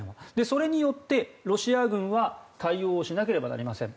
それによって、ロシア軍は対応しなければなりません。